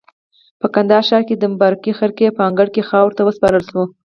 په کندهار ښار کې د مبارکې خرقې په انګړ کې خاورو ته وسپارل شو.